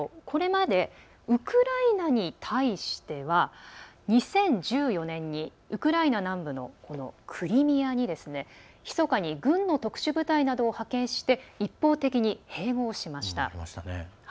これまで、ウクライナに対しては２０１４年にウクライナ南部のクリミアにひそかに軍の特殊部隊などを派遣して一方的に併合しました。